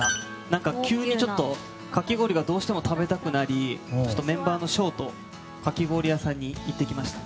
何か急に、かき氷がどうしても食べたくなりメンバーの紫耀とかき氷屋さんに行ってきました。